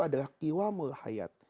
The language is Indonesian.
adalah kiwa mulhayat